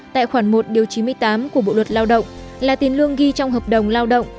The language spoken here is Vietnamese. tại khoản một chín mươi tám của bộ luật lao động là tiền lương ghi trong hợp đồng lao động